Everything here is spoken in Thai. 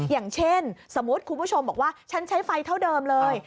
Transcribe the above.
อย่างเช่นสมมุติคุณผู้ชมบอกว่าฉันใช้ไฟเท่าเดิมเลย